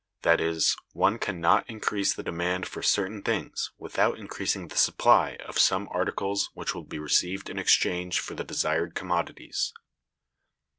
That is, one can not increase the demand for certain things without increasing the supply of some articles which will be received in exchange for the desired commodities.